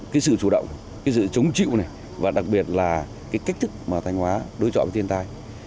cái sự chủ động cái sự chống chịu này và đặc biệt là cái cách thức mà thanh hóa đối chọn với thiên tai